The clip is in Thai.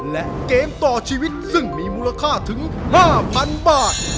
และเกมต่อชีวิตซึ่งมีมูลค่าถึง๕๐๐๐บาท